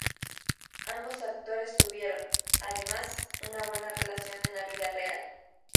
Ambos actores tuvieron, además, una buena relación en la vida real.